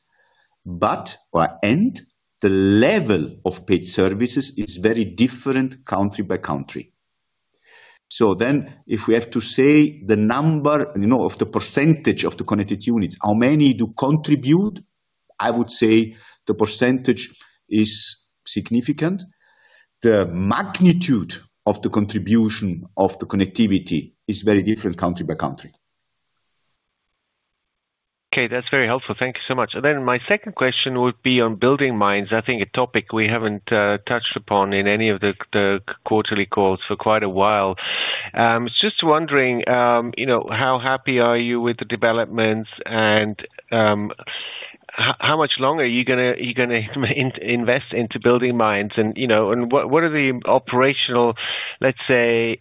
but the level of paid services is very different country by country. So then if we have to say the number of the percentage of the connected units, how many do contribute, I would say the percentage is significant. The magnitude of the contribution of the connectivity is very different country by country. Okay. That's very helpful. Thank you so much. And then my second question would be on BuildingMinds. I think a topic we haven't touched upon in any of the quarterly calls for quite a while. It's just wondering how happy are you with the developments, and how much longer are you going to invest into BuildingMinds? And what are the operational, let's say,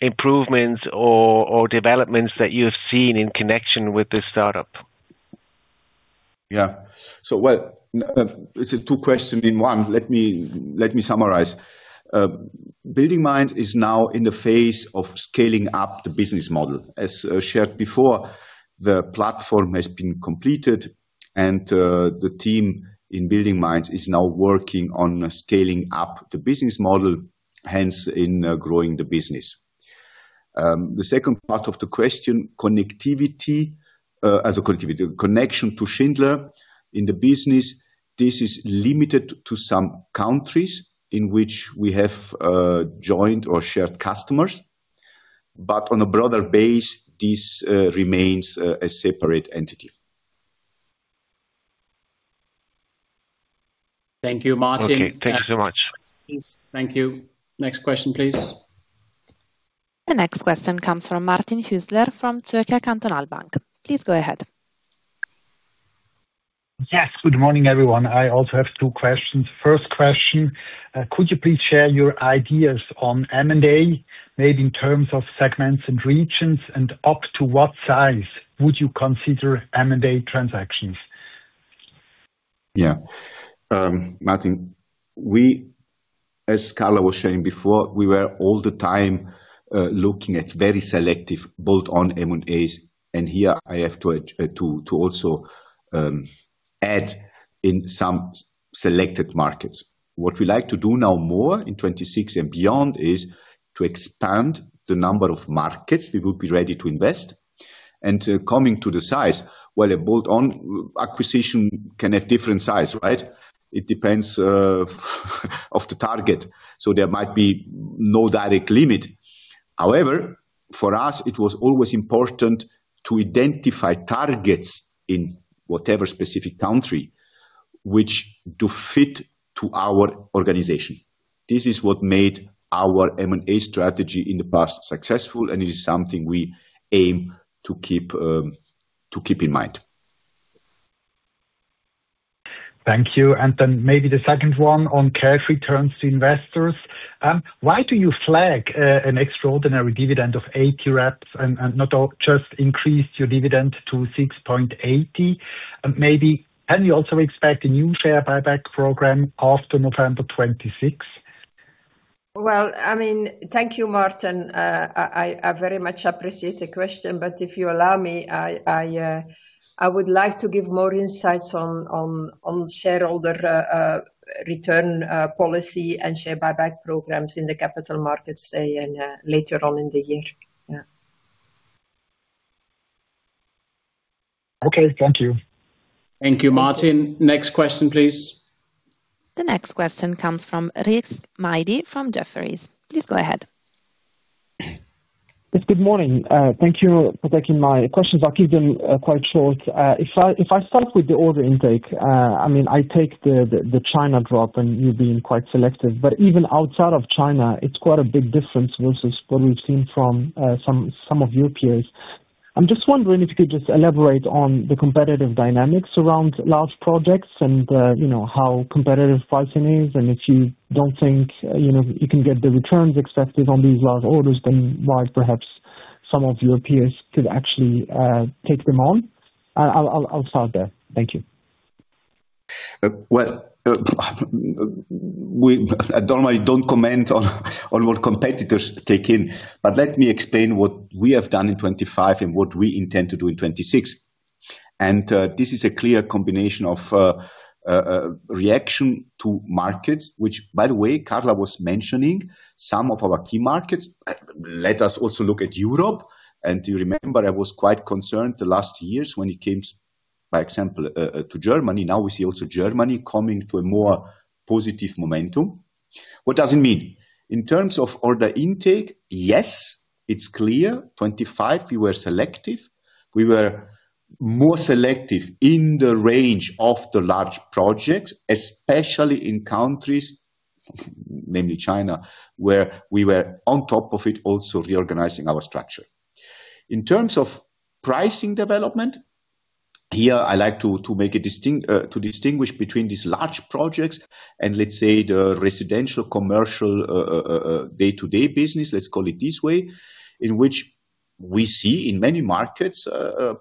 improvements or developments that you have seen in connection with this startup? Yeah. So well, it's a two-question-in-one. Let me summarize. BuildingMinds is now in the phase of scaling up the business model. As shared before, the platform has been completed, and the team in BuildingMinds is now working on scaling up the business model, hence in growing the business. The second part of the question, connectivity as a connection to Schindler in the business, this is limited to some countries in which we have joined or shared customers. But on a broader base, this remains a separate entity. Thank you, Martin. Okay. Thank you so much. Thank you. Next question, please. The next question comes from Martin Hüsler from Zürcher Kantonalbank. Please go ahead. Yes. Good morning, everyone. I also have two questions. First question, could you please share your ideas on M&A, maybe in terms of segments and regions, and up to what size would you consider M&A transactions? Yeah. Martin, as Carla was sharing before, we were all the time looking at very selective bolt-on M&As. And here, I have to also add in some selected markets. What we like to do now more in 2026 and beyond is to expand the number of markets we would be ready to invest. And coming to the size, well, a bolt-on acquisition can have different size, right? It depends on the target. So there might be no direct limit. However, for us, it was always important to identify targets in whatever specific country which do fit to our organization. This is what made our M&A strategy in the past successful, and it is something we aim to keep in mind. Thank you. Maybe the second one on capital returns to investors. Why do you flag an extraordinary dividend of 8.0 and not just increase your dividend to 6.80? Maybe can you also expect a new share buyback program after November 2026? Well, I mean, thank you, Martin. I very much appreciate the question. But if you allow me, I would like to give more insights on shareholder return policy and share buyback programs in the capital markets later on in the year. Yeah. Okay. Thank you. Thank you, Martin. Next question, please. The next question comes from Rizk Maidi from Jefferies. Please go ahead. Yes. Good morning. Thank you for taking my questions. I'll keep them quite short. If I start with the order intake, I mean, I take the China drop, and you've been quite selective. But even outside of China, it's quite a big difference versus what we've seen from some of your peers. I'm just wondering if you could just elaborate on the competitive dynamics around large projects and how competitive pricing is. And if you don't think you can get the returns expected on these large orders, then why perhaps some of your peers could actually take them on? I'll start there. Thank you. Well, I normally don't comment on what competitors take in, but let me explain what we have done in 2025 and what we intend to do in 2026. This is a clear combination of reaction to markets, which, by the way, Carla was mentioning, some of our key markets. Let us also look at Europe. You remember, I was quite concerned the last years when it came, for example, to Germany. Now we see also Germany coming to a more positive momentum. What does it mean? In terms of order intake, yes, it's clear. 2025, we were selective. We were more selective in the range of the large projects, especially in countries, namely China, where we were on top of it, also reorganizing our structure. In terms of pricing development, here, I like to make a distinction to distinguish between these large projects and, let's say, the residential-commercial day-to-day business, let's call it this way, in which we see in many markets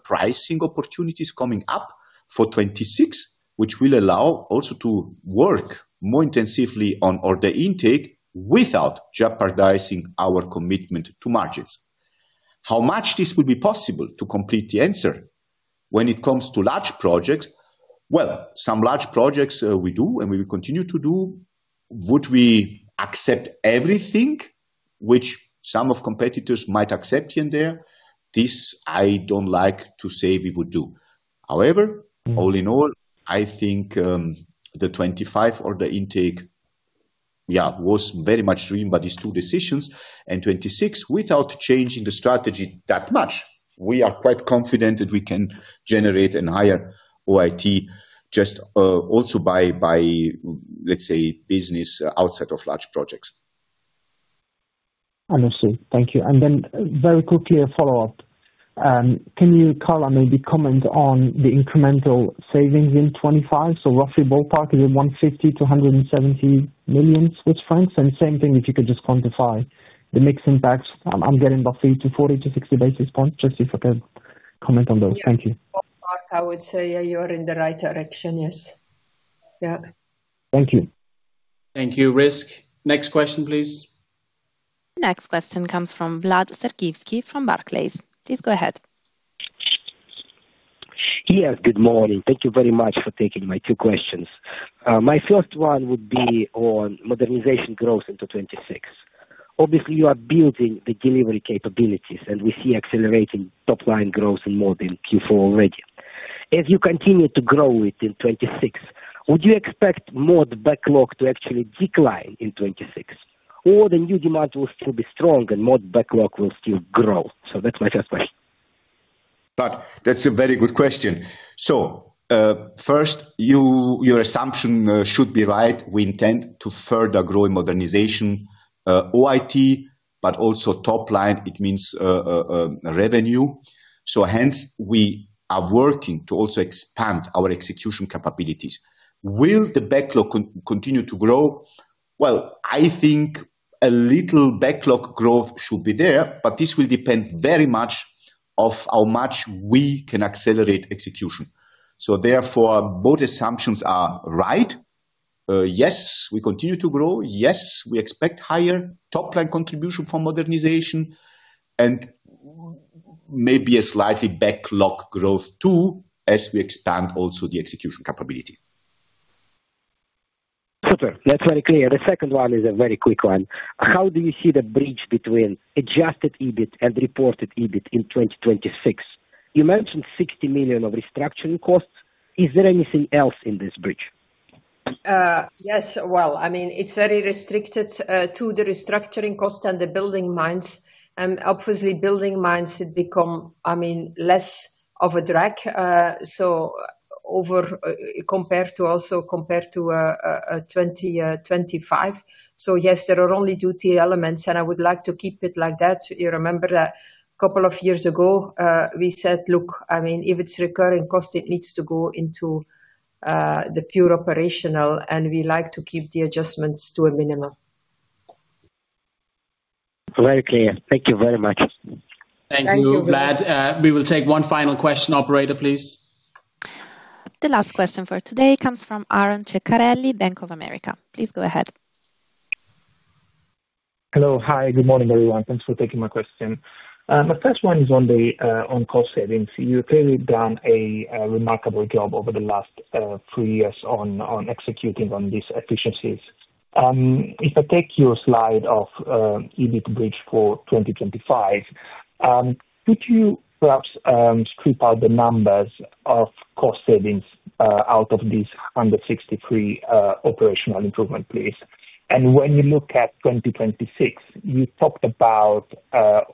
pricing opportunities coming up for 2026, which will allow also to work more intensively on order intake without jeopardizing our commitment to markets. How much this would be possible to complete the answer? When it comes to large projects, well, some large projects we do and we will continue to do. Would we accept everything, which some of the competitors might accept here and there? This, I don't like to say we would do. However, all in all, I think the 2025 order intake, yeah, was very much dreamed by these two decisions. 2026, without changing the strategy that much, we are quite confident that we can generate and higher OIT just also by, let's say, business outside of large projects. I understand. Thank you. And then very quickly, a follow-up. Can you, Carla, maybe comment on the incremental savings in 2025? So roughly ballpark, is it 150 million-170 million Swiss francs? And same thing, if you could just quantify the mixed impacts. I'm getting roughly to 40-60 basis points. Just if I could comment on those. Thank you. Yes. Ballpark, I would say, yeah, you are in the right direction. Yes. Yeah. Thank you. Thank you, Rizk. Next question, please. Next question comes from Vlad Sergievskiy from Barclays. Please go ahead. Yes. Good morning. Thank you very much for taking my two questions. My first one would be on modernization growth into 2026. Obviously, you are building the delivery capabilities, and we see accelerating top-line growth in more than Q4 already. As you continue to grow it in 2026, would you expect Mod backlog to actually decline in 2026, or the new demand will still be strong and Mod backlog will still grow? So that's my first question. That's a very good question. First, your assumption should be right. We intend to further grow in modernization, OIT, but also top-line. It means revenue. Hence, we are working to also expand our execution capabilities. Will the backlog continue to grow? Well, I think a little backlog growth should be there, but this will depend very much on how much we can accelerate execution. Therefore, both assumptions are right. Yes, we continue to grow. Yes, we expect higher top-line contribution from modernization and maybe a slightly backlog growth too as we expand also the execution capability. Super. That's very clear. The second one is a very quick one. How do you see the bridge between adjusted EBIT and reported EBIT in 2026? You mentioned 60 million of restructuring costs. Is there anything else in this bridge? Yes. Well, I mean, it's very restricted to the restructuring cost and the BuildingMinds. Obviously, BuildingMinds, it becomes, I mean, less of a drag compared to also compared to 2025. So yes, there are only duty elements, and I would like to keep it like that. You remember that a couple of years ago, we said, "Look, I mean, if it's recurring cost, it needs to go into the pure operational, and we like to keep the adjustments to a minimum. Very clear. Thank you very much. Thank you, Vlad. We will take one final question. Operator, please. The last question for today comes from Alessandro Ceccarelli, Bank of America. Please go ahead. Hello. Hi. Good morning, everyone. Thanks for taking my question. My first one is on cost savings. You clearly have done a remarkable job over the last three years on executing on these efficiencies. If I take your slide of EBIT bridge for 2025, could you perhaps strip out the numbers of cost savings out of this 163 operational improvement, please? And when you look at 2026, you talked about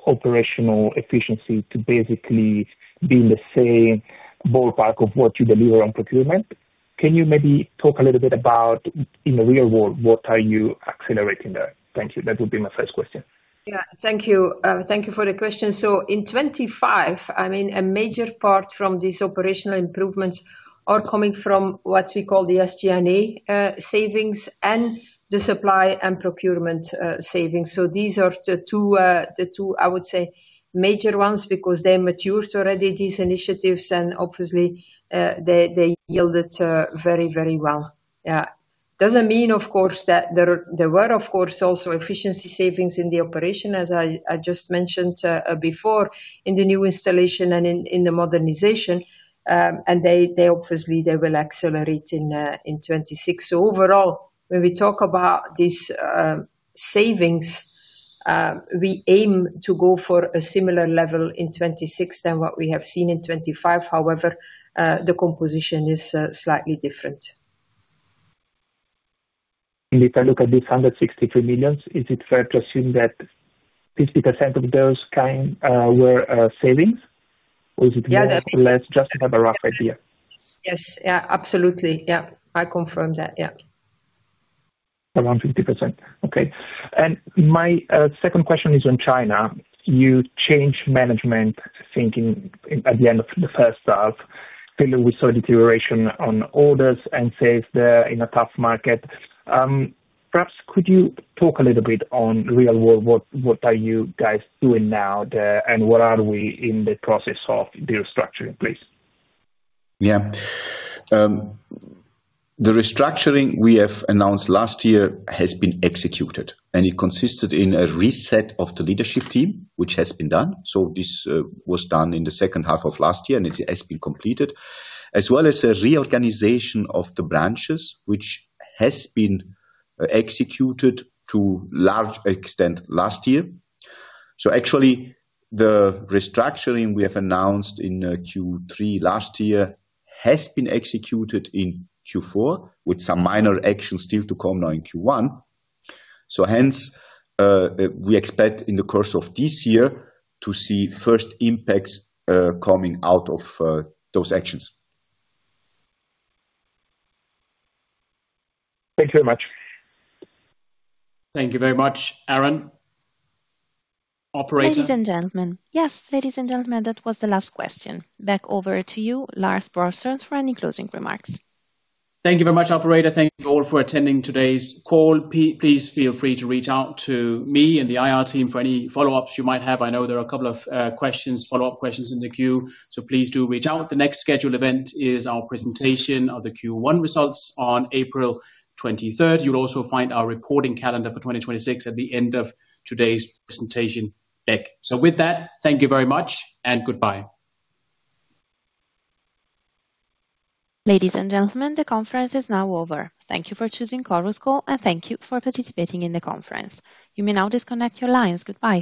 operational efficiency to basically be in the same ballpark of what you deliver on procurement. Can you maybe talk a little bit about, in the real world, what are you accelerating there? Thank you. That would be my first question. Yeah. Thank you. Thank you for the question. So in 2025, I mean, a major part from these operational improvements are coming from what we call the SG&A savings and the supply and procurement savings. So these are the two, I would say, major ones because they matured already, these initiatives, and obviously, they yielded very, very well. Yeah. It doesn't mean, of course, that there were, of course, also efficiency savings in the operation, as I just mentioned before, in the new installation and in the modernization. And obviously, they will accelerate in 2026. So overall, when we talk about these savings, we aim to go for a similar level in 2026 than what we have seen in 2025. However, the composition is slightly different. If I look at this 163 million, is it fair to assume that 50% of those were savings, or is it more or less just to have a rough idea? Yes. Yes. Yeah. Absolutely. Yeah. I confirm that. Yeah. Around 50%. Okay. My second question is on China. You changed management thinking at the end of the first half, clearly, with some deterioration on orders and sales there in a tough market. Perhaps could you talk a little bit on real world, what are you guys doing now there, and where are we in the process of the restructuring, please? Yeah. The restructuring we have announced last year has been executed, and it consisted in a reset of the leadership team, which has been done. So this was done in the second half of last year, and it has been completed, as well as a reorganization of the branches, which has been executed to a large extent last year. So actually, the restructuring we have announced in Q3 last year has been executed in Q4 with some minor actions still to come now in Q1. So hence, we expect in the course of this year to see first impacts coming out of those actions. Thank you very much. Thank you very much. Alessandro? Operator? Ladies and gentlemen. Yes, ladies and gentlemen, that was the last question. Back over to you, Lars Brorson, for any closing remarks. Thank you very much, Operator. Thank you all for attending today's call. Please feel free to reach out to me and the IR team for any follow-ups you might have. I know there are a couple of follow-up questions in the queue, so please do reach out. The next scheduled event is our presentation of the Q1 results on April 23rd. You'll also find our reporting calendar for 2026 at the end of today's presentation deck. With that, thank you very much and goodbye. Ladies and gentlemen, the conference is now over. Thank you for choosing Chorus Call, and thank you for participating in the conference. You may now disconnect your lines. Goodbye.